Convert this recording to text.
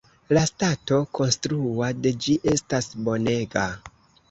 La stato konstrua de ĝi estas bonega.